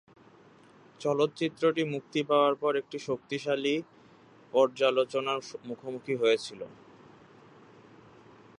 চলচ্চিত্রটি মুক্তি পাওয়ার পর এটি শক্তিশালী পর্যালোচনার মুখোমুখি হয়েছিল।